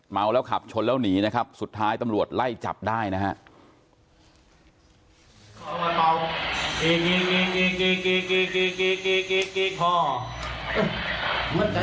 เมาแล้วขับชนแล้วหนีนะครับสุดท้ายตำรวจไล่จับได้นะฮะ